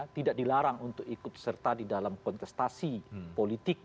tidak dilarang untuk ikut serta di dalam kontestasi politik